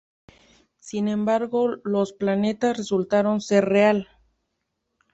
Sin embargo, los planetas resultaron ser real.